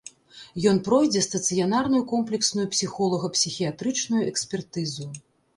Ён пройдзе стацыянарную комплексную псіхолага-псіхіятрычную экспертызу.